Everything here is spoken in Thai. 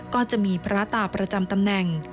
ก็จะมีพระตาประจำตำแหน่ง